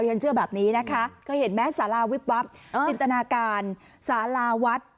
ฉันเชื่อแบบนี้นะคะเคยเห็นไหมสาราวิบวับจินตนาการสาราวัด